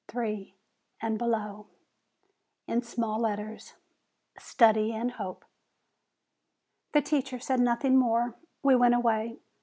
3 And below, in small letters, "Study and hope." 1 3 o FEBRUARY The teacher said nothing more; we went away.